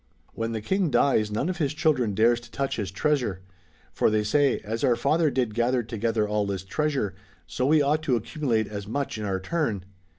^ When the King dies none of his children dares to touch his treasure. For they say, "as our father did gather together all this treasure, so we ought to accumulate as much in our turn."